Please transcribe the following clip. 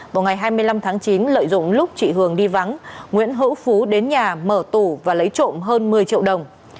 vào ngày hai mươi năm tháng chín lợi dụng lúc chị hường đi vắng nguyễn hữu phú đến nhà mở tủ và lấy trộm hơn một mươi triệu đồng